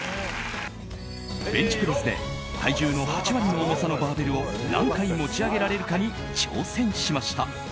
ベンチプレスで体重の８割の重さのバーベルを何回持ち上げられるかに挑戦しました。